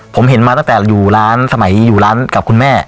ผมเห็นมาตั้งแต่อยู่ร้านสมัยอยู่ร้านกับคุณแม่